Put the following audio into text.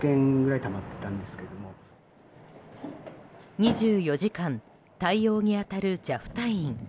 ２４時間対応に当たるＪＡＦ隊員。